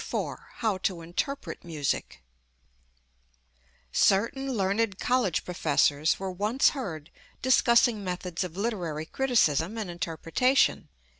IV How to Interpret Music Certain learned college professors were once heard discussing methods of literary criticism and interpretation.